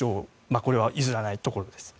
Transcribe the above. これは譲らないところです。